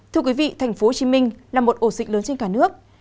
thưa quý vị tp hcm là một ổ dịch lớn trên cả nước